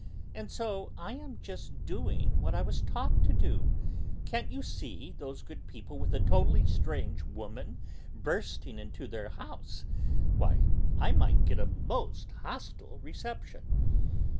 "And so I am just doing what I was taught to do. Can't you see those good people, with a totally strange woman bursting into their house? Why, I might get a most hostile reception."